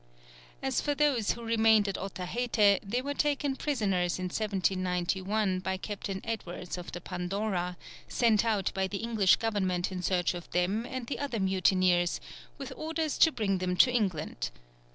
As for those who remained at Otaheite, they were taken prisoners in 1791 by Captain Edwards of the Pandora, sent out by the English Government in search of them and the other mutineers, with orders to bring them to England.